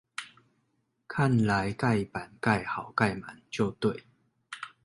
看來蓋板蓋好蓋滿就對